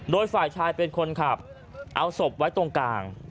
โดยฝ่ายชายเป็นคนขับเอาศพไว้ตรงกลาง